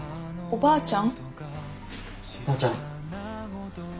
ばあちゃん